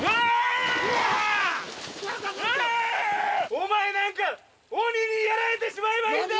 お前なんか鬼にやられてしまえばいいんだ！